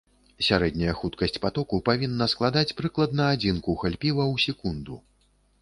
Сярэдняя хуткасць патоку павінна складаць прыкладна адзін кухаль піва ў секунду.